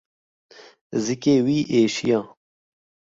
Zikê wî êşiya.